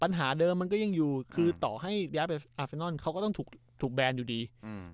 ปัญหาเดิมมันก็ยังอยู่คือต่อให้ย้ายไปอาเซนอนเขาก็ต้องถูกถูกแบนอยู่ดีอืม